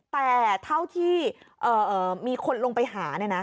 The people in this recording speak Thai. แต่เท่าที่มีคนลงไปหา